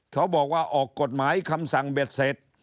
เขาบอกว่าออกกฎหมายคำสั่งเบ็ดเสร็จ